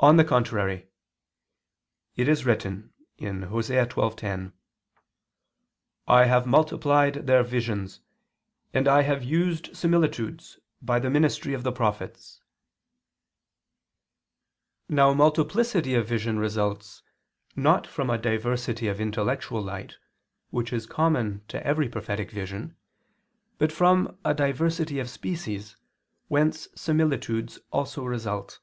On the contrary, It is written (Osee 12:10): "I have multiplied" their "visions, and I have used similitudes, by the ministry of the prophets." Now multiplicity of visions results, not from a diversity of intellectual light, which is common to every prophetic vision, but from a diversity of species, whence similitudes also result.